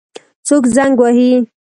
څوک زنګ وهي؟